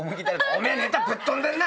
「おめえネタぶっ飛んでんな！」